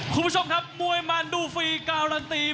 คุณผู้ชมครับมวยมันดูฟรีการันตี